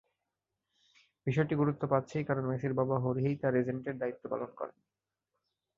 বিষয়টি গুরুত্ব পাচ্ছেই কারণ, মেসির বাবা হোর্হেই তাঁর এজেন্টের দায়িত্ব পালন করেন।